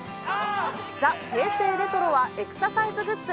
ザ・平成レトロは、エクササイズグッズ。